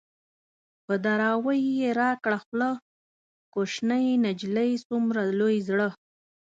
په دراوۍ يې راکړه خوله - کوشنی نجلۍ څومره لوی زړه